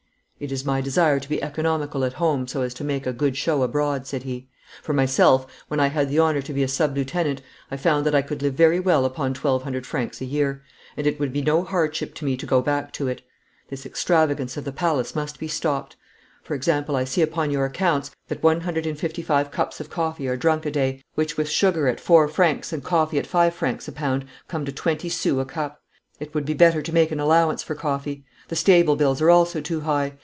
'It is my desire to be economical at home so as to make a good show abroad,' said he. 'For myself, when I had the honour to be a sub lieutenant I found that I could live very well upon 1,200 francs a year, and it would be no hardship to me to go back to it. This extravagance of the palace must be stopped. For example, I see upon your accounts that 155 cups of coffee are drunk a day, which with sugar at 4 francs and coffee at 5 francs a pound come to 20 sous a cup. It would be better to make an allowance for coffee. The stable bills are also too high.